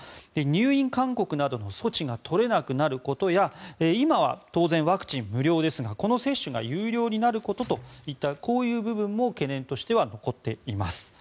入院勧告などの措置が取れなくなることや今は当然、ワクチンが無料ですがこの接種が有料になることといったこういう部分も懸念としては残っています。